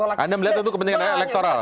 anda melihat untuk kepentingan elektoral